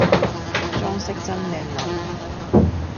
裝飾真靚溜